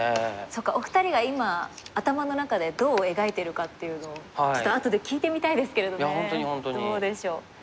そっかお二人は今頭の中でどう描いているかっていうのをちょっと後で聞いてみたいですけれどねどうでしょう。